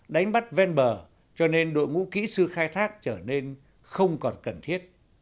đánh bắt ven bờ cho nên đội ngũ kỹ sư khai thác trở nên không còn cần thiết